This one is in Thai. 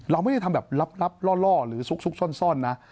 เราไม่ได้ทำแบบลับล่อหรือซุกซ่อนนะ